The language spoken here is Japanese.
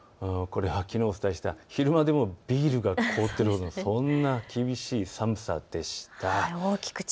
これはきのうお伝えした、昼間でもビールが凍っている、そんな厳しい寒さでした。